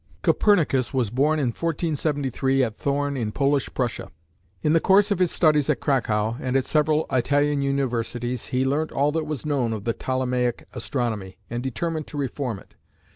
Copernicus was born in 1473 at Thorn in Polish Prussia. In the course of his studies at Cracow and at several Italian universities, he learnt all that was known of the Ptolemaic astronomy and determined to reform it.